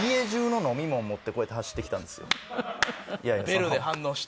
ベルで反応して？